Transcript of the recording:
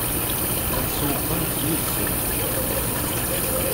Ad sewweqent yid-sent?